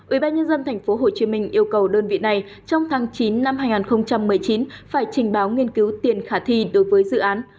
ủy ban nhân dân tp hcm yêu cầu đơn vị này trong tháng chín năm hai nghìn một mươi chín phải trình báo nghiên cứu tiền khả thi đối với dự án